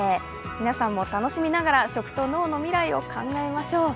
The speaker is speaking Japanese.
皆さんも楽しみながら食と農の未来を考えましょう。